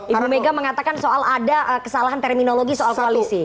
ibu mega mengatakan soal ada kesalahan terminologi soal koalisi